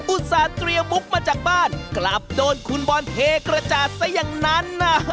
ตนเตรียมมุกมาจากบ้านกลับโดนคุณบอลเทกระจาดซะอย่างนั้น